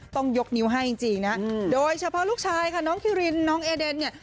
ต้องยกนิ้วให้จริงนะโดยเฉพาะลูกชายค่ะน้องคิรินน้องเอเดนเนี่ย